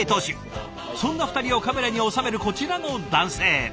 そんな２人をカメラに収めるこちらの男性。